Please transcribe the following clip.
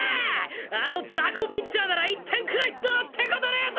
あの雑魚ピッチャーなら１点くらいどうってことねえぜ！